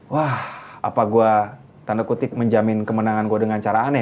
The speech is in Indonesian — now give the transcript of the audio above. wah apa gua tanda kutip menjamin kemenangan gue dengan cara aneh